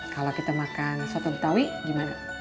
kalau kita makan soto betawi gimana